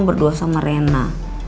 berdua sama rena